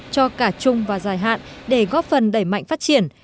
cho cả chung và dài hạn để góp phần đẩy mạnh phát triển